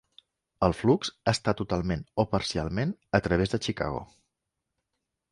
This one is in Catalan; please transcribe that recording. El flux està totalment o parcialment a través de Chicago.